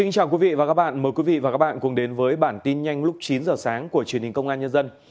chào mừng quý vị đến với bản tin nhanh lúc chín giờ sáng của truyền hình công an nhân dân